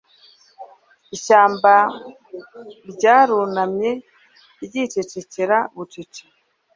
Ishyamba ryarunamye ryicecekera bucece